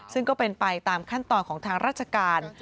ซึ่งก็เป็นไปตามขั้นตอนของทางราชการ